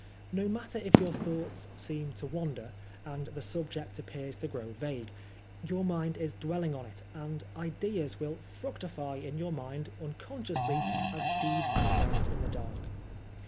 No matter if your thoughts seem to wander, and the subject appears to grow vague ; your mind is dwelling on it, and ideas w^ill fructify in your mind unconsciously as seeds sprout in the dark.